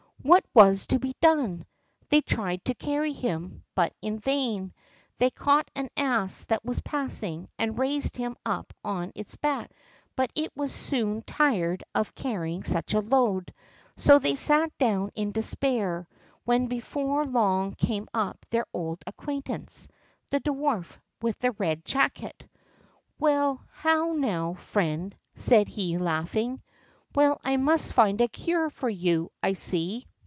What was to be done? They tried to carry him, but in vain. They caught an ass that was passing, and raised him upon its back; but it was soon tired of carrying such a load. So they sat down in despair, when before long up came their old acquaintance, the dwarf with the red jacket. "Why, how now, friend," said he, laughing: "well, I must find a cure for you, I see."